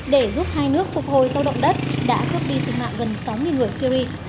để giúp hai nước phục hồi sau động đất đã cướp đi sinh mạng gần sáu người syri